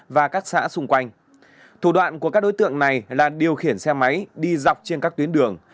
và các xã xung quanh thủ đoạn của các đối tượng này là điều khiển xe máy đi dọc trên các tuyến đường